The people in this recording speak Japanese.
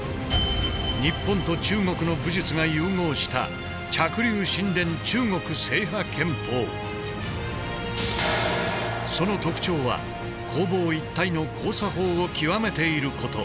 日本と中国の武術が融合したその特徴は攻防一体の交差法を極めていること。